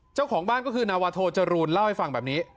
เจ้าของบ้านก็คือนาวาโทจรูนเล่าให้ฟังแบบนี้